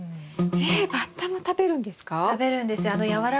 えっバッタも食べるんですか？